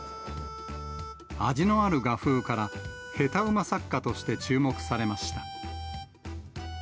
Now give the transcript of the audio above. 味のある画風から、へたうま作家として注目されました。